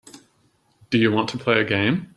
Do you want to play a game.